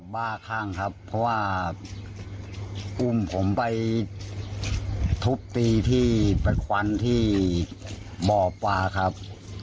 บ้าข้างครับเพราะว่ากลุ่มผมไปทุบตีที่เป็นควันที่บ่อปลาครับ